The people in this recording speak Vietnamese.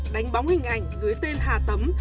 đánh bóng hình ảnh dưới tên hà tấm